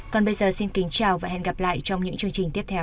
còn bây giờ xin kính chào và hẹn gặp lại trong những chương trình tiếp theo